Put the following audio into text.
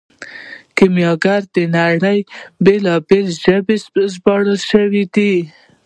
کیمیاګر د نړۍ په بیلابیلو ژبو ژباړل شوی دی.